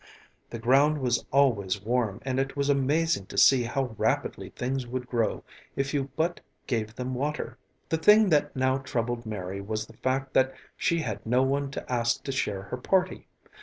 The ground was always warm and it was amazing to see how rapidly things would grow if you but gave them water. The thing that now troubled Mary was the fact that she had no one to ask to share her party.